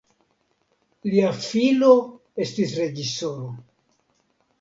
Lia filo estis reĝisoro.